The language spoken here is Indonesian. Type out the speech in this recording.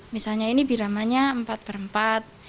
misalnya ini biramanya empat berempat